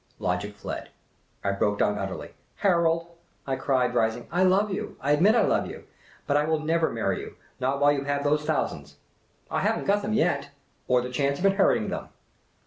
Logic fled. I broke down utterly. " Harold," I cried, rising, " I love you ! I admit I love you ! But I will never marry you — while you have those thousands." " I have n't got them yet !"" Or the chance of inheriting them."